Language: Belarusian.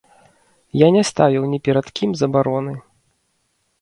Я не ставіў ні перад кім забароны.